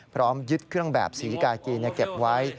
พร้อมยึดเครื่องแบบศรีกากีเก็บไว้